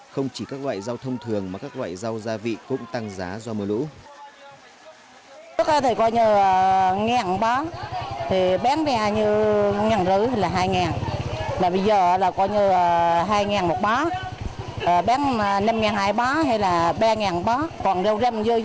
không chỉ các loại rau thông thường mà các loại rau gia vị cũng tăng giá do mưa lũ